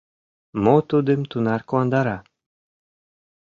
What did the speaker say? Мо тудым тунар куандара?